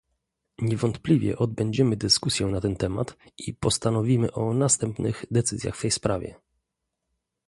Niewątpliwie odbędziemy dyskusję na ten temat i postanowimy o następnych decyzjach w tej sprawie